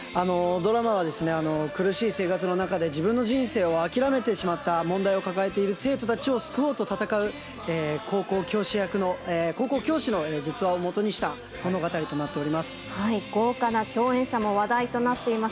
ドラマは苦しい生活の中で、自分の人生を諦めてしまった問題を抱えている生徒たちを救おうと戦う、高校教師役の、高校教師の実話をもとにした物語となっております。